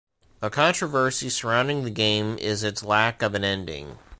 A controversy surrounding the game is its lack of an ending.